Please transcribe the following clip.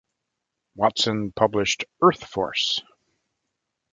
Watson published Earthforce!